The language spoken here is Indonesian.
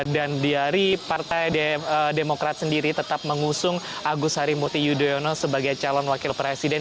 dan di hari partai demokrat sendiri tetap mengusung agus harimuti yudhoyono sebagai calon wakil presiden